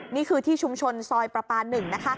นี่คือที่ชุมชนซอยประปา๑นะคะ